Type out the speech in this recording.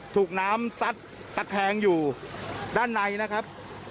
ถูกน้ำซัดตะแคงอยู่ด้านในนะครับ